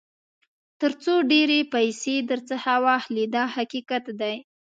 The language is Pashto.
تر څو ډېرې پیسې درڅخه واخلي دا حقیقت دی.